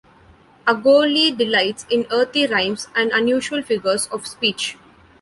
Agolli delights in earthy rhymes and unusual figures of speech.